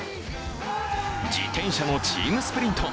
自転車・男子チームスプリント。